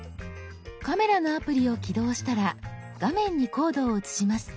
カメラのアプリを起動したら画面にコードを写します。